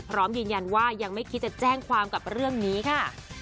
พร้อมยืนยันว่ายังไม่คิดจะแจ้งความกับเรื่องนี้ค่ะ